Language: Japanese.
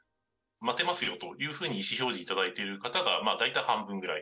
待てますよというふうに意思表示いただいてる方が大体半分ぐらい。